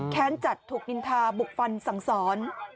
แค้นจัดถูกนิทาบุกฟันสั่งซ้อน